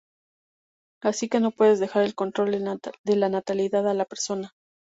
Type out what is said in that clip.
Así que no puedes dejar el control de la natalidad a la persona".